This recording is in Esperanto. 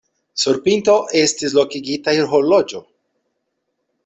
Sur pinto estis lokigitaj horloĝo.